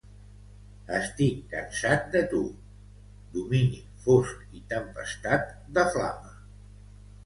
Estic cansat de tu, domini fosc i tempestat de flama.